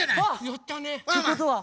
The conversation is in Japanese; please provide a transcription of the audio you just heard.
やったね！ってことは。